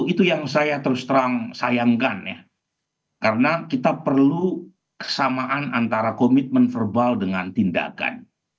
itu yang saya terus terang sayangkan ya karena kita perlu kesamaan antara komitmen verbal dengan tindakan